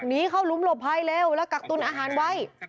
หนีเข้าหลุมหลบภัยเร็วแล้วกักตุลอาหารไว้